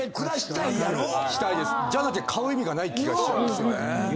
じゃなきゃ買う意味がない気がしちゃうんですよね。